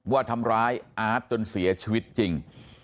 ว่าทำร้ายอาร์ตจนเสียชีวิตจริง